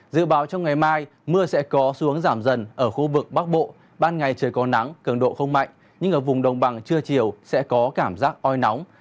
dự báo trong ngày mai mưa sẽ có xuống giảm dần ở khu vực bắc bộ ban ngày trời có nắng cường độ không mạnh nhưng ở vùng đồng bằng trưa chiều sẽ có cảm giác oi nóng